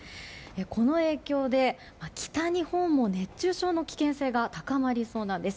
この影響で北日本も熱中症の危険性が高まりそうなんです。